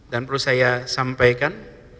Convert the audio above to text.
dan perlu saya sampaikan